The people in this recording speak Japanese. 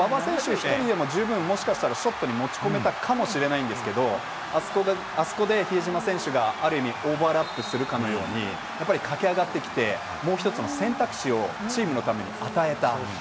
一人でも、十分もしかしたらショットに持ち込めたかもしれないんですけれど、あそこで比江島選手がある意味、オーバーラップしているかのように駆け上がってきて、もう１つの選択肢をチームのために与えた。